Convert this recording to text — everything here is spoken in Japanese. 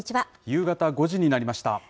夕方５時になりました。